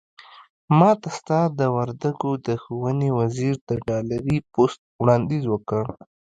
ماته ستا د وردګو د ښوونې وزير د ډالري پست وړانديز وکړ.